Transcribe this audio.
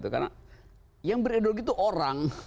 karena yang berideologi itu orang